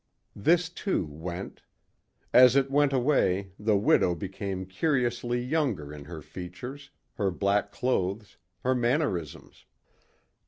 This too went. As it went away the widow became curiously younger in her features, her black clothes, her mannerisms.